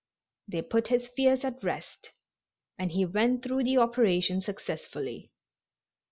They put his fears at rest, and he went through the operation successfully.